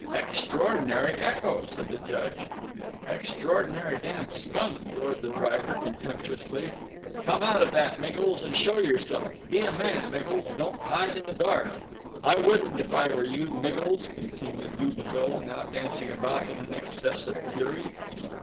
"Extraordinary echo," said the Judge. "Extraordinary damned skunk!" roared the driver, contemptuously. "Come out of that, Miggles, and show yourself! Be a man, Miggles! Don't hide in the dark; I wouldn't if I were you, Miggles," continued Yuba Bill, now dancing about in an excess of fury.